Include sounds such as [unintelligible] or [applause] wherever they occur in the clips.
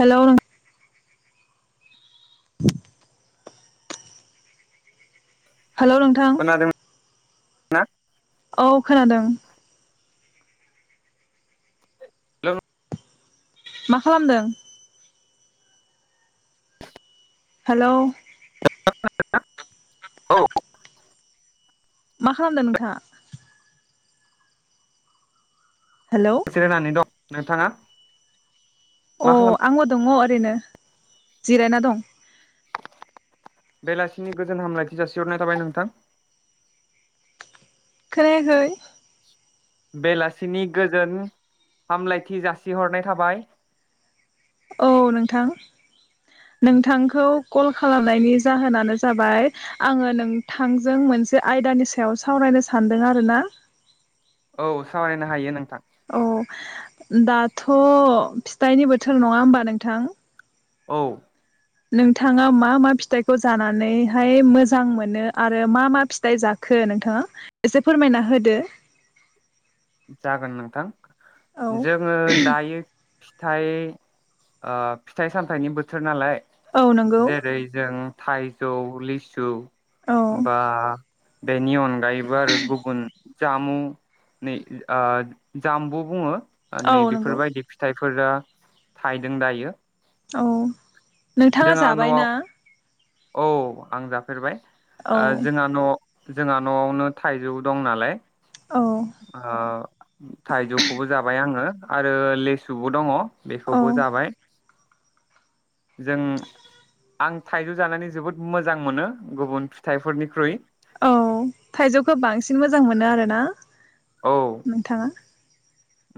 Hello [inaudible] hello नोंथां। खोनादों ना? औ खोनादों। हेलौ मा खालामदों? हेलौ औ मा खालामदों नोंथाङा? हेलौ से रानानै दं। नोंथाङा अ मा खालाम आं दङ ओरैनो। जिरायना दं। बेलासिनि गोजोन हामलायथि जासिहरनाय थाबाय नोंथां। खोनायाखै बेलासिनि गोजोन हामलायथि जासिहरनाय थाबाय। औ नोंथां नोंथांखौ कल खालामनायनि जाहोनानो जाबाय आङो नोंथांजों मोनसे आयदानि सायाव सावरायनो सानदों आरोना। औ सावरायनो हायो नों आ औ दाथ' फिथाइनि बोथोर नङा होमबा नोंथां औ नोंथाङा मा मा फिथाइखौ जानानैहाय मोजां मोनो आरो मा मा फिथाइ जाखो नोंथाङा एसे फोरमायना होदो जागोन नोंथां औ जोङो दायो फिथाइ ओ फिथाइ सामथायाइनि बोथोर नालाय औ नंगौ जेरै जों थाइजौ लिसु औ बा बे नि अनगायैबो आरो गुबुन जामुं नै ओ आ जाम्बु बुङो औ नै नंगौ बेफोरबायदि फिथाइ फोरा थायदों दायो औ नोंथाङा जोंहा न'आव जाबायना? औ आं जाफेरबाय औ आ जोंहा न' जोंहा न'आवनो थाइजौ दं नालाय औ ओ थाइजौखौबो जाबाय आङो आरो लेसुबो दङ औ बेखौबो जाबाय जों आं थाइजौ जानानै जोबोद मोजां मोनो गुबुन फिथाइफोरनिख्रुइ औ थाइजौखो बांसिन मोजां मोनो आरो ना नोंथाङा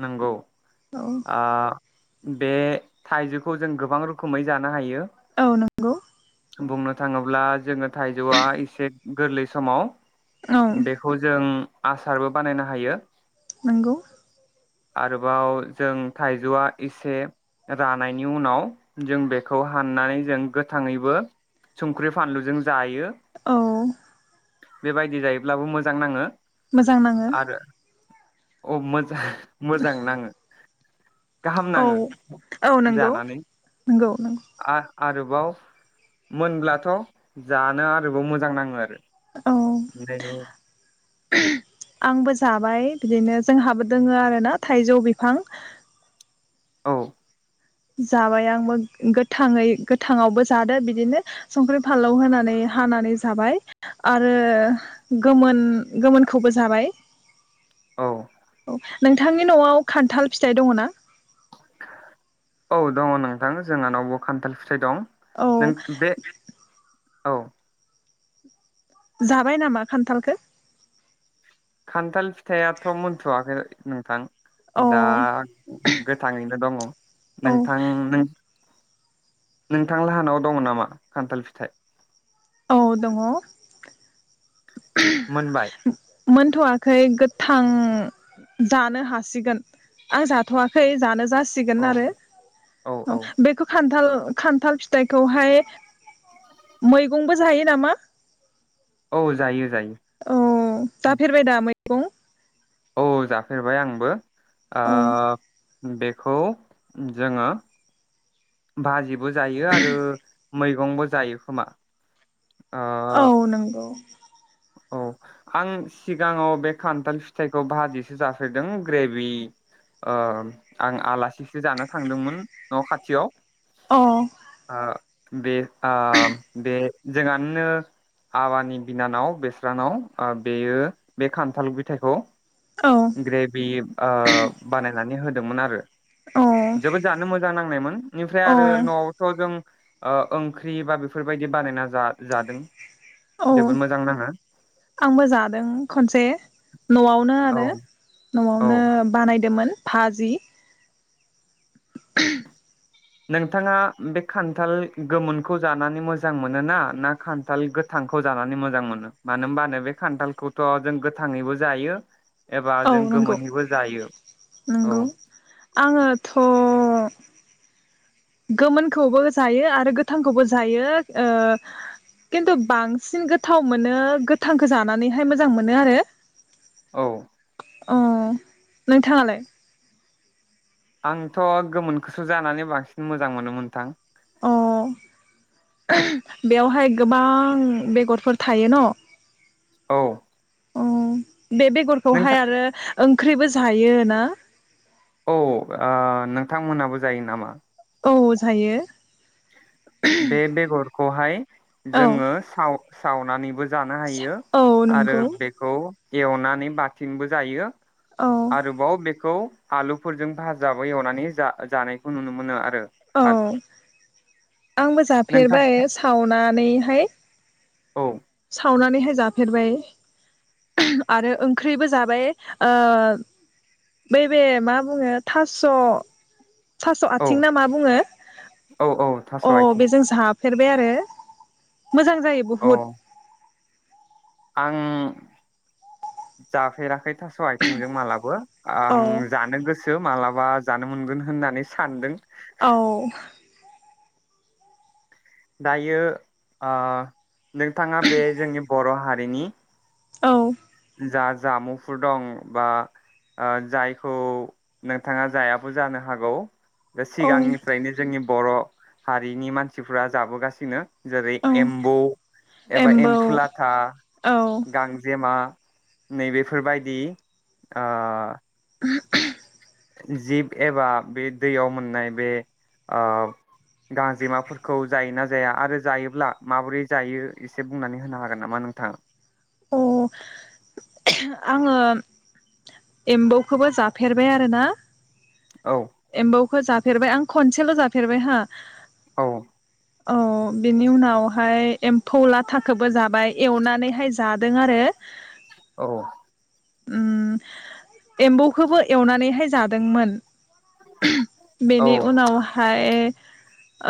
नोंगौ औ आ बे थाइजौखौ जों गोबां रोखोमै जानो हायो औ नोंगौ बुंनो थाङोब्ला जोङो थाइजौआ एसे गोरलै समाव औ बेखौ जों आसारबो बानायनो हायो नोंगौ आरोबाव जों थाइजौआ इसे रानायनि उनाव जों बेखौ हाननानै जों गोथाङैबो संख्रि फानलुजों जायो औ बेबायदि जायोब्लाबो मोजां नाङो मोजां नाङो। औ मोजां। मोजां नाङो। गाहाम औ नाङो औ नोंगौ नोंगौ। आ आरोबाव मोनब्लाथ' जानो आरोबाव मोजां नाङो आरो। औ [unintelligible] आंबो जाबाय बिदिनो जोंहाबो दोङो आरो ना थाइजौ बिफां। औ। जाबाय आंबो गोथाङै गोथाङावबो जादो बिदिनो संख्रि फानलौ होनानै हानानै जाबाय आरो गोमोन गोमोनखौबो जाबाय। औ नोंथांनि न'आव खान्थाल फिथाइ दङो ना? औ दङ नोंथां जोंहानावबो खान्थाल फिथाइ दं औ नों बे औ। जाबाय नामा खान्थालखो? खान्थाल फिथाइआथ' मोनथ'वाखै। नोंथां। औ दा गोथाङैनो दङ औ नोंथां नों नोंथां लाहानाव दङ नामा खान्थाल फिथाइ? औ दङ। मोनबाय? मोनथ'वाखै गोथां जानो हासिगोन आं जाथ'आखै जानो जासिग सिगोन औ आरो औ अ औ बेखौ खान थाल खान्थाल फिथाइखौहाय मैगंबो जायो नामा? औ जायो। जायो अ जाफेरबाय दा मै? गं। औ जाफेरबाय आंबो। आ औ बेखौ जोङो भाजिबो जायो आरो मैगंबो जायो खोमा। ओ औ नंगौ। औ आं सिगाङाव बे खान्थाल फिथाइखौ भाजिसो जाफेरदों ग्रेभि ओ आं आलासिसो जानो थांदोंमोन न' खाथियाव। अ ओ बे आ बे जोंहानिनो आबानि बिनानाव बेस्रानाव बेयो बे खान्थाल फिथायखौ औ ग्रेभि ओ बानायनानै हो दोंमोन आरो औ जोबोद जानो मोजां नांनायमोन बेनिफ्राय औ आरो न'आवथ' जों ओ ओंख्रि बा बेफोरबायदि बानायना जा जादों औ जोबोद मोजां नाङो आंबो जादों खनसे न'आवनो औ आरो औ न'आवनो बानाय नायदोंमोन भाजि [unintelligible] नोंथाङा बे खान्थाल गोमोनखौ जानानै मोजां मोन ना ना खान्थाल गोथांखौ जानानै मोजां मोनो मानो होनबानो बे खान्थालखौथ' जों गोथाङैबो जायो एबा औ जों नंगौ गोमोनैबो जायो औ नंगौ आङोथ' गोमोनखौबो जायो आरो गोथांखौबो जायो ओ खिन्थु बांसिन गोथाव मोनो गोथांखौ जानानैहाय मोजां मोनो आरो औ अ नोंथाङालाय आंथ' गोमोनखौसो जानानै बांसिन मोजां मोनो मोनथां अ बेवहाय गोबां बेगरफोर थायो न' औ अ बे नोंथां बेगरखौहाय आरो ओंख्रिबो जायो ना औ आ नोंथांमोनाबो जायो नामा औ जायो बे बेगरखौहाय औ जोङो साव सावनानैबो जानो हायो औ आरो नंगौ बेखौ एवनानै बाथिंबो जायो औ आरोबाव बेख खौ आलुफोरजों भाजाबो एवनानै जा-जानायखौ नुनो मोनो आ रो आ औ आंबो जाफेरबाय सावना नैहाय औ सावनानैहाय जाफेरबाय आरो ओंख्रिबो जाबाय ओ बैबे मा बुङो थास' थास' औ आथिं ना मा बुङो औ औ थास' अ आथिं बेजों जाफ फेरबाय आरो मोजां जायो औ बुहुत आं जाफेराखै थास' आथिंजों मालाबो औ आं जानो गोसो मालाबा जानो मोनगोन होननानै सानदों औ दायो आ नोंथाङा बे जोंनि बर' हा बेनि औ जा जामुफोर दं बा आ जायखौ नोंथाङा जायाबो जानो हागौ बे औ सिगांनिफ्रायनो जोंनि बर' हारिनि मानसिफ्रा जाबोगासिनो जेरै औ एम्बौ एबा एम्बौ एम्फु लाथा, औ गांजेमा नैबेफोरबायदि आ जिब एबा बे दैयाव मोननाय बे ओ गांजेमाफोरखौ जायोना जाया आरो जायोब्ला माबोरै जायो एसे बुंनानै होनो हागोन नामा नोंथाङा अ आङो एम्बौखौबो जाफेरबाय आरोना औ खौ जाफेरबाय आं खनसेल जाफेरबाय हा औ औ बिनि उनावहाय एम्फौ लाथाखौबो जाबाय एवनानैहाय जादों आरो औ उम एम्बौखौबो एवनानैहाय जादोंमोन औ बेनि उनावहाय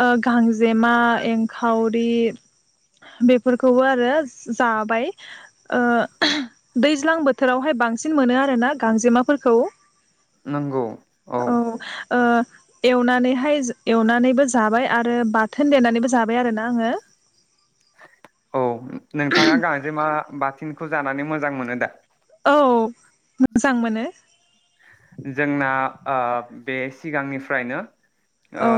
ओ गांजेमा एंखावरि बेफोरखौबो आरो जाबाय ओ दैज्लां बोथोरावहाय बांसिन मोनो आरो ना गांजेमाफोरखौ नंगौ औ ओ एवनानैहाय एवनानैबो जाबाय आरो बाथोन देनानैबो जाबाय आरोना आङो औ नोंथाङा गांजेमा बाथिनखौ जानानै मोजां मोनो दा औ मोजां मोनो जोंना ओ बे सिगांनिफ्रायनो ओ औ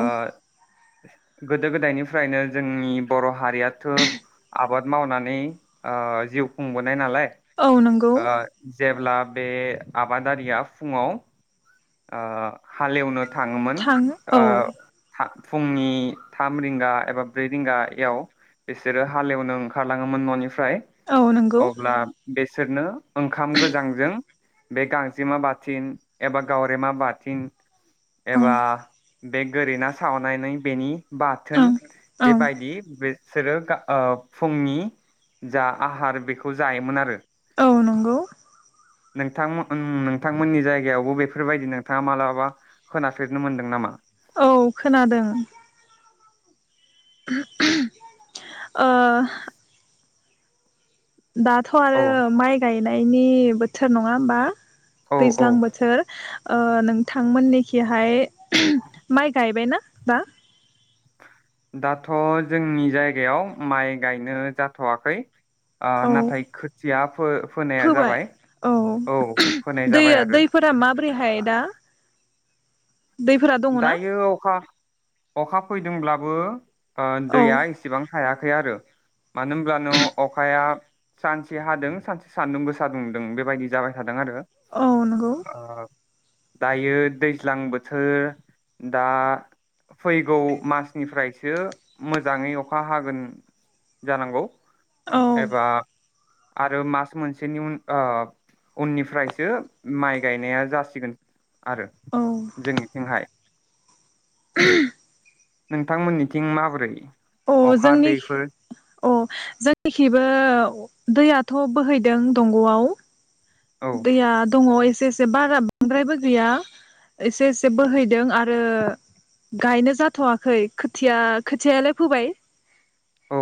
गोदो -गोदायनिफ्रायनो जोंनि बर हारियाथ आबाद मावनानै ओ जिउ खुंबोनाय नालाय औ नंगौ ओ जेब्ला बे आबादारिया फुङाव ओ हालेवनो थाङोमोन थाङो ओ औ फुंनि थाम रिंगा एबा ब्रै रिंगायाव बिसोरो हालेवनो ओंखारलाङोमोन ननिफ्राय औ नंगौ फ्राय अब्ला बिसोरनो ओंखाम गोजांजों बे गांजेमा बा थिन एबा गावरेमा बाथिन औ एबा बे गोरि ना सावनानै बेनि बाथोन ओं ओं बेबायदि बिसोरो ओ फुंनि जा आहार बेखौ जायोमोन आरो औ नंगौ नोंथांमोन नोंथांमोननि जायगायावबो बेफोरबायदि नोंथाङा मालाबा खोनाफेरनो मोनदों नामा? औ खोनादों [unintelligible] ओ दाथ आरो औ माइ गाय गायनायनि बोथोर नङा होमबा औ औ दैज्लां बोथोर ओ नोंथांमोननिखिहाय माइ गायबायना बा दाथ' जोंनि जायगायाव माइ गायनो जाथ'वाखै आ औ नाथाय खोथिया फो-फोनाया फोबाय जाबाय औ फोनाय दै जाबाय आरो दैफोरा माबोरैहाय दा दैफोरा दङना दायो अखा अखा फैदोंब्लाबो ओ औ दैया इसिबां हायाखै आरो मानो होमब्लानो अखाया सानसे हादों सानसे सानदुं गोसा दुंदों बेबायदि जाबाय था दों आरो औ नंगौ ओ दायो दैज्लां बोथोर दा फैगौ मासनिफ्रायसो मोजाङै अखा हागोन जानांगौ औ एबा आरो मास मोनसेनि उन ओ उननिफ्रायसो माइ गायनाया जासिगोन। आरो औ जोंनिथिंहाय [unintelligible] नोंथांमोननिथिं माबोरै अ अखा जोंनि दैफोर औ जोंनिखिबो दैयाथ' बोहैदों दंग'आव औ दैया दङ एसे एसे बारा बांद्रायबो गैया। एसे एसे बोहैदों आ रो गायनो जाथ'आखै खोथिया खोथियालाय फोबाय औ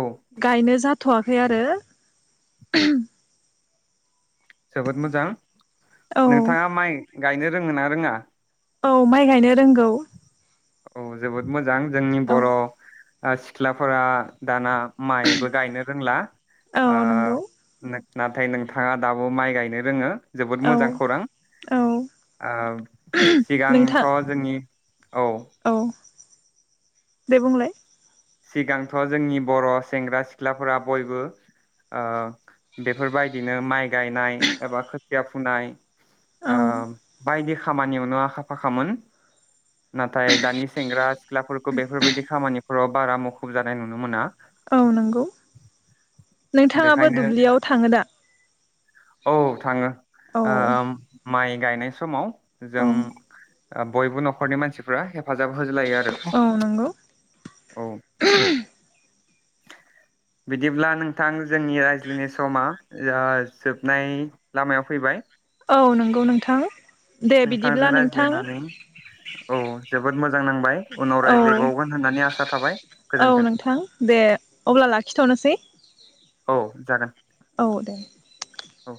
गायनो जा थ'वाखै आरो जोबोद मोजां औ नोंथाङा माइ गायनो रोङो ना रोङा औ माइ गायनो रोंगौ। औ जोबोद मो जां जोंनि औ बर' आ सिख्लाफोरा दाना माइबो गायनो रोंला औ नंगौ नाथाय नोंथाङा दाबो माइ गायनो रोङो। जोबोद औ मोजां खौरां औ आ नोंथां सिगांथ' जोंनि औ दे बुंलाय सिगांथ' जोंनि बर' सेंग्रा सिख्लाफोरा बयबो ओ बेफोरबायदिनो माइ गायनाय एबा खो थिया फुनाय ओ औ बायदि खा खामानियावनो आखा फाखामोन नाथाय दानि सेंग्रा सिख्लाफोरखौ बेफोरबायदि खामानि रब बारा मुखुब जानाय नुनो मोना। औ नंगौ नोंथाङाबो बेखायनो दुब्लियाव थाङो दा औ थाङो औ ओ माइ गायनाय समाव जों औ आ बयबो नखरनि मानसिफ्रा हेब हेफाजाब होजलायो आरो औ नंगौ औ [inaudible] बिदिब्ला नोंथां जोंनि रायज्लायनाय समा जा जोबनाय लामायाव फैबाय औ नंगौ नोंथां। दे बिदिब्ला नोंथांजों नोंथां रायज्लायनानै औ जोबोद मोजां नांबाय उनाव औ रायज्लायबावगोन होननानै आसा थाबाय औ गोजोनथों नोंथां दे अब्ला लाखिथ'नोसै औ जागोन। औ दे औ